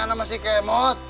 anak masih kemot